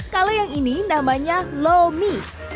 kalau yang ini namanya lomi